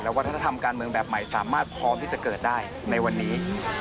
วัฒนธรรมการเมืองแบบใหม่สามารถพร้อมที่จะเกิดได้ในวันนี้